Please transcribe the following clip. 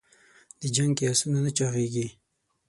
د جنګ کې اسونه نه چاغېږي.